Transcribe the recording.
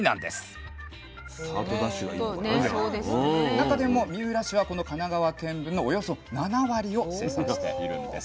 中でも三浦市はこの神奈川県分のおよそ７割を生産しているんです。